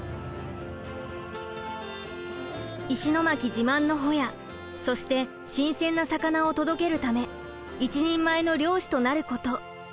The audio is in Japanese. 石巻自慢のホヤそして新鮮な魚を届けるため一人前の漁師となること。